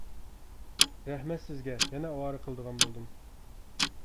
— رەھمەت سىزگە، يەنە ئاۋارە قىلىدىغان بولدۇم.